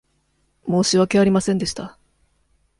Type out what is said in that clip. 申し訳ありませんでした。